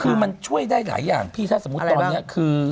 คือมันช่วยได้หลายอย่างพี่ถ้าสมมุติตอนนี้คือ